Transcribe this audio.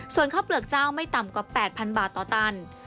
ส่วนข้าวเปลือกเจ้าไม่ต่ำกว่า๘๐๐บาทต่อตัน